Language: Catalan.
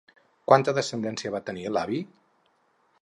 Quanta descendència va tenir l'avi?